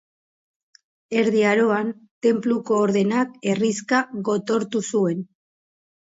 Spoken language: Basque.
Erdi Aroan, Tenpluko Ordenak herrixka gotortu zuen.